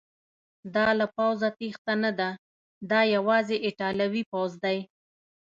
دا له پوځه تیښته نه ده، دا یوازې ایټالوي پوځ دی.